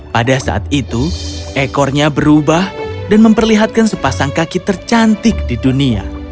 pada saat itu ekornya berubah dan memperlihatkan sepasang kaki tercantik di dunia